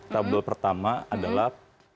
tabel pertama adalah